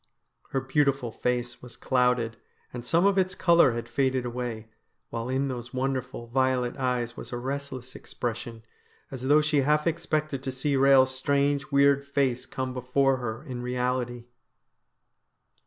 Her beautiful face was clouded, and some of its colour had faded away, while in those wonderful, violet eyes was a restless expression, as though she half expected to see Eehel's strange, weird face come before her in reality.